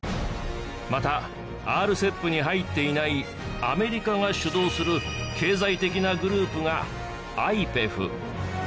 またＲＣＥＰに入っていないアメリカが主導する経済的なグループがＩＰＥＦ。